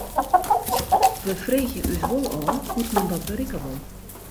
We freegje ús wol ôf hoe't men dat berikke wol.